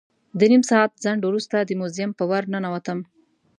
له نیم ساعت ځنډ وروسته د موزیم په ور ننوتم.